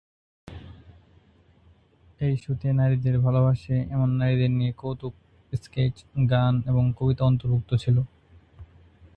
এই শোতে নারীদের ভালবাসে এমন নারীদের নিয়ে কৌতুক স্কেচ, গান এবং কবিতা অন্তর্ভুক্ত ছিল।